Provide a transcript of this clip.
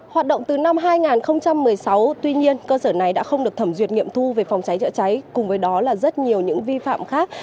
hoạt động từ năm hai nghìn một mươi sáu tuy nhiên cơ sở này đã không được thẩm duyệt nghiệm thu về phòng cháy chữa cháy cùng với đó là rất nhiều những vi phạm khác